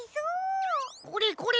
これこれ。